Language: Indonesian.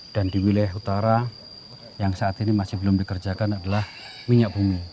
dan di wilayah utara yang saat ini masih belum dikerjakan adalah minyak bumi